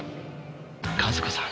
和子さん。